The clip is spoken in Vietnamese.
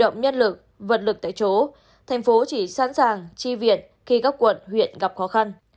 động nhân lực vật lực tại chỗ thành phố chỉ sẵn sàng chi viện khi các quận huyện gặp khó khăn